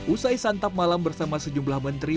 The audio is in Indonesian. usai santap malam bersama sejumlah menteri